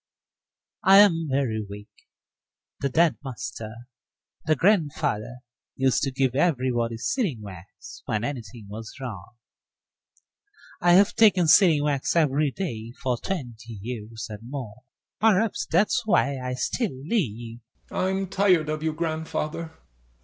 I'm very weak. The dead master, the grandfather, used to give everybody sealing wax when anything was wrong. I've taken sealing wax every day for twenty years, and more; perhaps that's why I still live. YASHA. I'm tired of you, grandfather.